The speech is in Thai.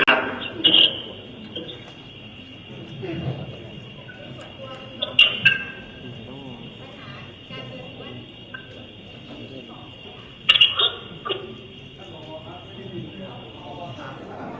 มันเข้าไปถัดในโกรธอักเบิ้ลครับ